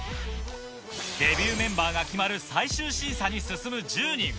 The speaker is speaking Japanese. デビューメンバーが決まる最終審査に進む１０人。